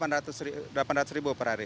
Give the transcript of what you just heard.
pendapatan semula delapan ratus ribu per hari